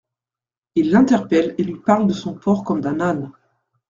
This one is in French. Il l'interpelle et lui parle de son porc comme d'un âne.